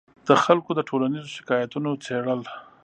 د خلکو د ټولیزو شکایتونو څېړل